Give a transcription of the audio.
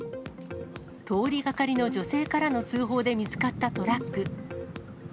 通りがかりの女性からの通報で見つかったトラック。